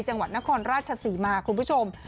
จังหวัดนครราชศรีมาคุณผู้ชม